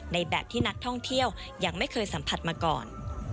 ในแบบที่นักท่องเที่ยวยังไม่เคยสัมผัสมาก่อน